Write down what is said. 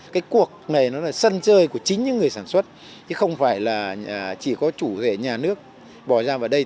cái cuộc này nó là sân chơi của chính những người sản xuất chứ không phải là chỉ có chủ thể nhà nước bỏ ra vào đây